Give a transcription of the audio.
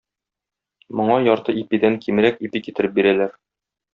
Моңа ярты ипидән кимрәк ипи китереп бирәләр.